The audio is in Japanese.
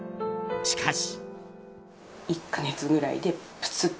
しかし。